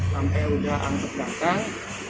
sampai udah angkut belakang